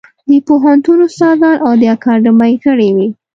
د پوهنتون استادان او د اکاډمۍ غړي وو.